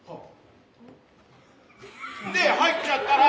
で入っちゃったら。